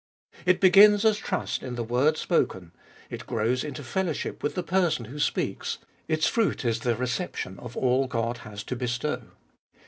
It begins as trust in the word spoken ; it grows into fellowship with the Person who speaks ; its fruit is the reception of all God has to bestow.